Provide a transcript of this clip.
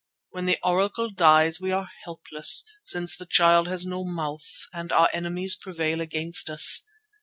When the Oracle dies we are helpless since the Child has no 'mouth' and our enemies prevail against us.